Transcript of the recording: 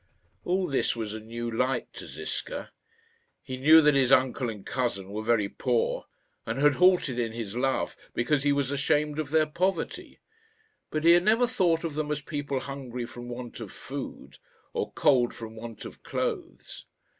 All this was a new light to Ziska. He knew that his uncle and cousin were very poor, and had halted in his love because he was ashamed of their poverty; but he had never thought of them as people hungry from want of food, or cold from want of clothes.